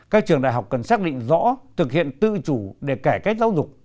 các trường đại học cần xác định rõ thực hiện tự chủ để cải cách giáo dục